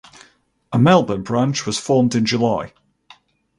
A Melbourne branch was formed in July.